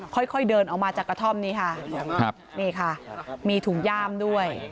ค่อยค่อยเดินออกมาจากกระท่อมนี้ค่ะครับนี่ค่ะมีถุงย่ามด้วย